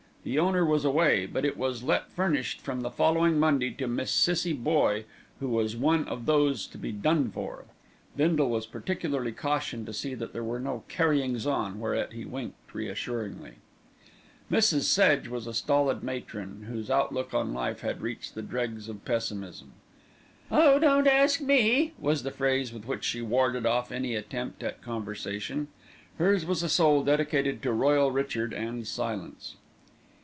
The owner was away; but it was let furnished from the following Monday to a Miss Cissie Boye, who was one of those to be "done for." Bindle was particularly cautioned to see that there were no "carryings on," whereat he winked reassuringly. Mrs. Sedge was a stolid matron, whose outlook on life had reached the dregs of pessimism. "Oh! don't ask me," was the phrase with which she warded off any attempt at conversation. Hers was a soul dedicated to Royal Richard and silence.